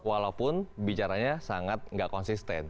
walaupun bicaranya sangat nggak konsisten